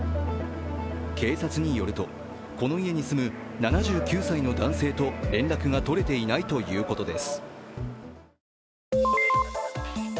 警察によるとこの家に住む７９歳の男性と連絡が取れていないということです。